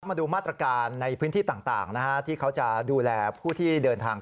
มาดูมาตรการในพื้นที่ต่างนะฮะที่เขาจะดูแลผู้ที่เดินทาง